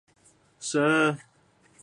他们的生意很顺利